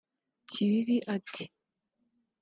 Kibibi ati